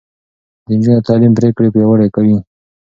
د نجونو تعليم پرېکړې پياوړې کوي.